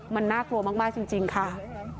มันน่ากลัวมากจริงค่ะ